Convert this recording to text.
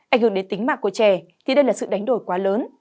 ảnh hưởng đến tính mạng của trẻ thì đây là sự đánh đổi quá lớn